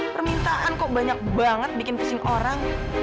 permintaan kok banyak banget bikin pusing orang